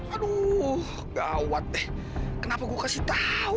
aduh gawat deh kenapa gue kasih tau